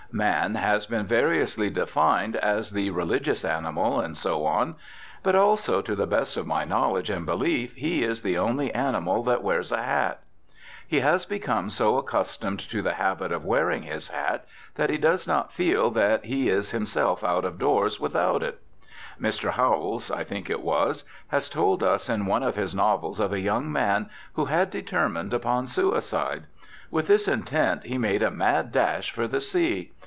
Man has been variously defined, as the religious animal, and so on; but also, to the best of my knowledge and belief, he is the only animal that wears a hat. He has become so accustomed to the habit of wearing his hat that he does not feel that he is himself out of doors without it. Mr. Howells (I think it was) has told us in one of his novels of a young man who had determined upon suicide. With this intent he made a mad dash for the sea.